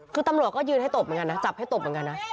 คือตำรวจก็ยืนให้ตบเหมือนกันนะจับให้ตบเหมือนกันนะ